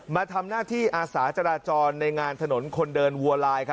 มาทำหน้าที่อาสาจราจรในงานถนนคนเดินวัวลาย